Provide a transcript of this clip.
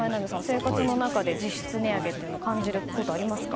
生活の中で、実質値上げを感じることはありますか？